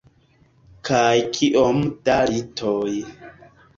Kaj kiom da litoj.